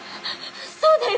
そうだよ